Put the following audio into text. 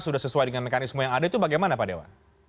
sudah sesuai dengan mekanisme yang ada itu bagaimana pak dewa